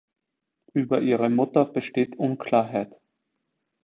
Über ihre Mutter besteht Unklarheit.